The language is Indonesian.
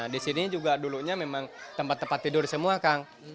di sini juga dulunya memang tempat tempat tidur semua kang